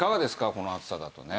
この暑さだとね。